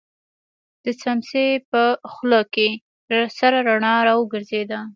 د سمڅې په خوله کې سره رڼا را وګرځېده.